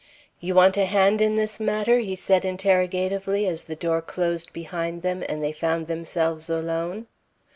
"You want a hand in this matter?" he said interrogatively, as the door closed behind them and they found themselves alone.